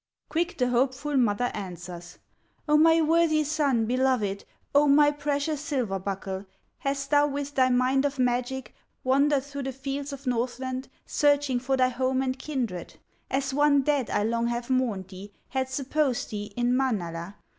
Quick the hopeful mother answers: "O my worthy son, beloved, O my precious silver buckle, Hast thou with thy mind of magic, Wandered through the fields of Northland Searching for thy home and kindred? As one dead I long have mourned thee, Had supposed thee in Manala.